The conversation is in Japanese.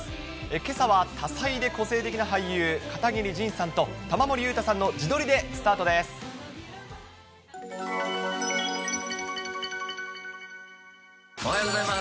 けさは多才で個性的な俳優、片桐仁さんと、玉森裕太さんの自おはようございます。